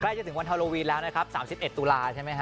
ใกล้จะถึงวันฮาโลวีนแล้วนะครับสามสิบเอ็ดตุลาใช่ไหมฮะ